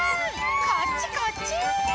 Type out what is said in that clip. こっちこっち！